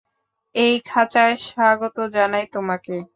এই খাঁচায় স্বাগত জানাই তোমাকে।